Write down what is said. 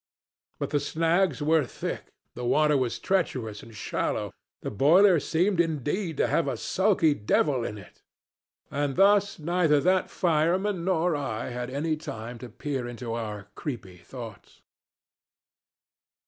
But the snags were thick, the water was treacherous and shallow, the boiler seemed indeed to have a sulky devil in it, and thus neither that fireman nor I had any time to peer into our creepy thoughts.